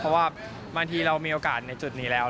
เพราะว่าบางทีเรามีโอกาสในจุดนี้แล้ว